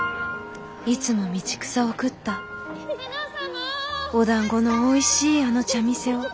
「いつも道草を食ったおだんごのおいしいあの茶店を」。